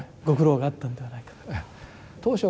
ご苦労があったんではないかと。